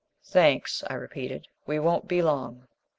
"Thanks," I repeated. "We won't be long."